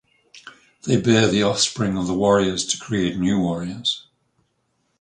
They bear the offspring of the warriors to create new warriors.